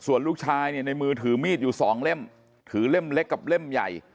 ส่วนลูกชายเนี่ยในมือถือมีดอยู่สองเล่มถือเล่มเล็กกับเล่มใหญ่